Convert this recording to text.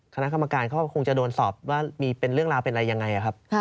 คณะกรรมการเขาคงจะโดนสอบว่ามีเป็นเรื่องราวเป็นอะไรยังไงครับ